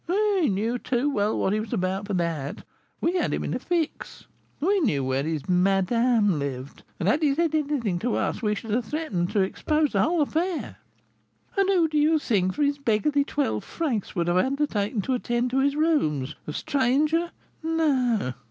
"He knew too well what he was about for that; we had him in a fix, we knew where his 'madame' lived, and had he said anything to us, we should have threatened to expose the whole affair. And who do you think for his beggarly twelve francs would have undertaken to attend to his rooms, a stranger? No!